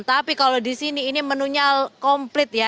tapi kalau di sini ini menunya komplit ya